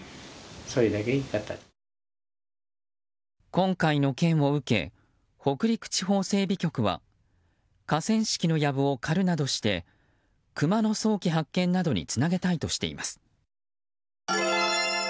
今回の件を受け北陸地方整備局は河川敷のやぶを刈るなどしてクマの早期発見などにつなげたいとしています。